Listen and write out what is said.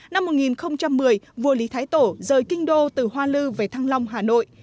năm hai nghìn một mươi vua lý thái tổ rời kinh đô từ hoa lư về thăng long hà nội